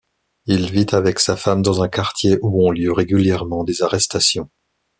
Il vit avec sa femme dans un quartier où ont lieu régulièrement des arrestations.